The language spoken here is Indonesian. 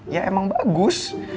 ya emang bagus